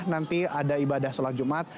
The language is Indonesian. nanti ada ibadah sholat jumat